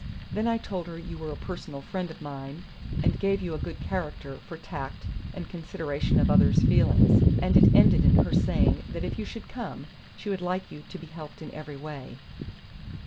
Then I told her you were a personal friend of mine, and gave you a good character for tact and consideration of others' feelings; and it ended in her saying that if you should come, she would like you to be helped in every way."